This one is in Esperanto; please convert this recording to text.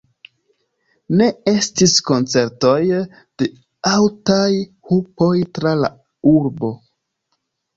Ne estis koncertoj de aŭtaj hupoj tra la urbo.